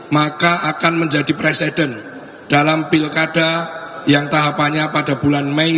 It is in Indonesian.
maka akan menjadi presiden dalam pilkada yang tahapannya pada bulan mei